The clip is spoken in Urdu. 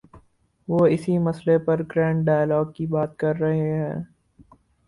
وہ اسی مسئلے پر گرینڈ ڈائیلاگ کی بات کر رہے ہیں۔